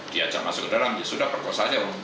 dia ajak masuk ke dalam dia sudah perkosa saja